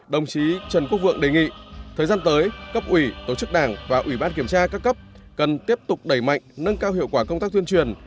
đồng chí trần quốc vượng đề nghị thời gian tới cấp ủy tổ chức đảng và ủy ban kiểm tra các cấp cần tiếp tục đẩy mạnh nâng cao hiệu quả công tác tuyên truyền